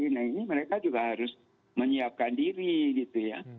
nah ini mereka juga harus menyiapkan diri gitu ya